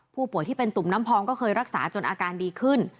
ผู้ป่วยที่เป็นตุ่มน้ำพองก็เคยรักษาจนอาการดีขึ้น